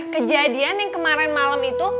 kejadian yang kemarin malam itu